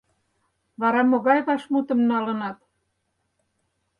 Вара могай вашмутым налынат?